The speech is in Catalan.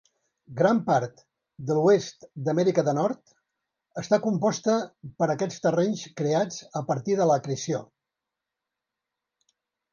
Gran part de l'oest d'Amèrica de Nord està composta per aquests terrenys creats a partir de l'acreció.